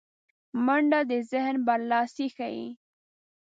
منډه د ذهن برلاسی ښيي